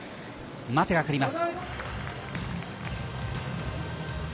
待てがかかります。